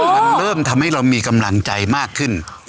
มันเริ่มทำให้เรามีกำลังใจมากขึ้น